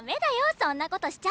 そんなことしちゃ。